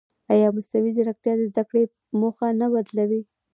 ایا مصنوعي ځیرکتیا د زده کړې موخه نه بدلوي؟